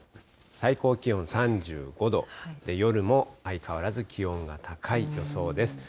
最高気温３５度、夜も相変わらず気温が高い予想です。